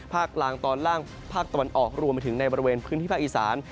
ภาคกลางตอนล่างภาคตะวันออกรวมไปถึงในบริเวณพื้นที่ภาคอีสาน